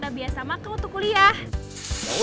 terus terus terus